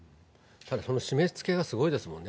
その締めつけがすごいですもんね。